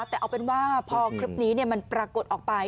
แต่เอาเป็นว่าพอคลิปนี้มันปรากฏออกไป